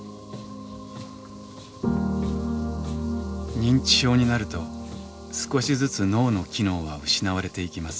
認知症になると少しずつ脳の機能は失われていきます。